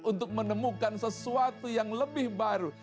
untuk menemukan sesuatu yang lebih baru